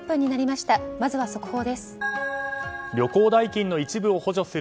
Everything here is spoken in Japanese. まずは速報です。